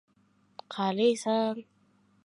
Prezident yangi tayinlangan elchilarni qabul qildi